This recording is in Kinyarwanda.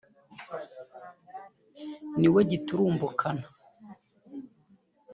niwe giturumbukana